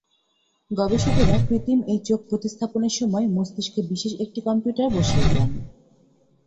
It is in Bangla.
গবেষকেরা কৃত্রিম এই চোখ প্রতিস্থাপনের সময় মস্তিষ্কে বিশেষ একটি কম্পিউটার বসিয়ে দেন।